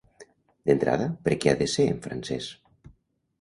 D'entrada, per què ha de ser en francès?